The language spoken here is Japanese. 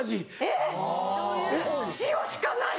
えっ⁉塩しかない！